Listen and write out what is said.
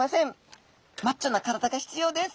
マッチョな体が必要です。